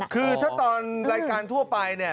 คือถ้าตอนรายการทั่วไป